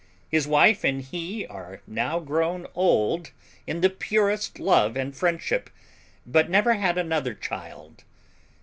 His wife and he are now grown old in the purest love and friendship, but never had another child.